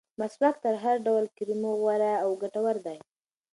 مسواک تر هر ډول کریمو غوره او ګټور دی.